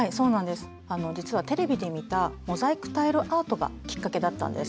実はテレビで見たモザイクタイルアートがきっかけだったんです。